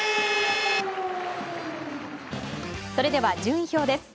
それでは順位表です。